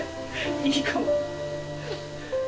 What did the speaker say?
いいかも。